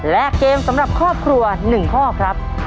และเกมสำหรับครอบครัว๑ข้อครับ